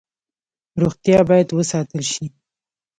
روغتیا باید وساتل شي